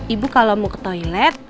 ibu kalau mau ke toilet